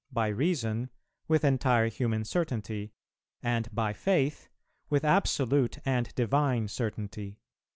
By Reason, with entire human certainty; and by Faith, with absolute and divine certainty.